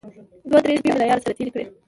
دوه درې شپې مې له ياره سره تېرې کړې.